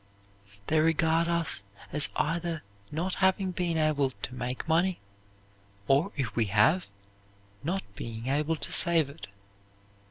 They regard us as either not having been able to make money, or if we have, not being able to save it.